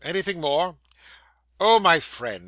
Anything more?' 'Oh, my friend!